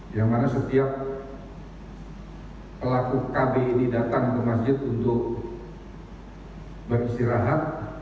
yang mana setiap pelaku kb ini datang ke masjid untuk beristirahat